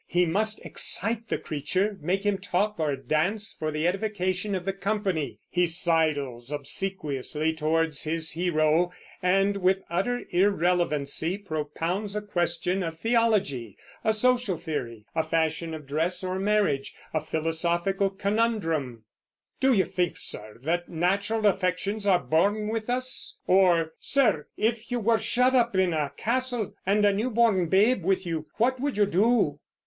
He must excite the creature, make him talk or dance for the edification of the company. He sidles obsequiously towards his hero and, with utter irrelevancy, propounds a question of theology, a social theory, a fashion of dress or marriage, a philosophical conundrum: "Do you think, sir, that natural affections are born with us?" or, "Sir, if you were shut up in a castle and a newborn babe with you, what would you do?"